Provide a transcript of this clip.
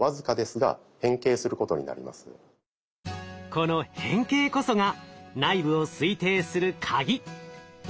この変形こそが内部を推定する鍵。